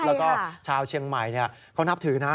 แล้วก็ชาวเชียงใหม่เขานับถือนะ